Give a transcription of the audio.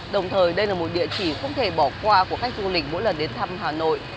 đồng thời đây là một địa chỉ không thể bỏ qua của khách du lịch mỗi lần đến thăm hà nội